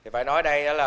phải nói đây đó là